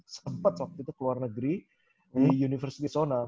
sempat waktu itu keluar negeri di university of sona